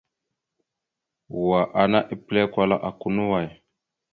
Wa ana epəlé kwala aka no way.